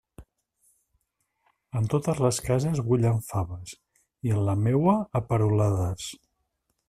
En totes les cases bullen faves, i en la meua, a perolades.